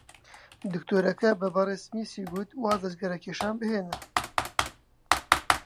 دکتۆرەکە بە بەڕێز سمیسی گوت واز لە جگەرەکێشان بهێنێت.